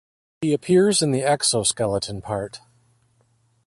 He appears in the "Exoskeleton" part.